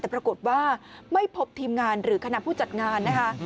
แต่ปรากฏว่าไม่พบทีมงานหรือคณะผู้จัดงานนะคะ